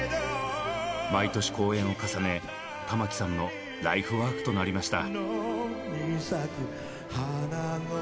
毎年公演を重ね玉置さんのライフワークとなりました。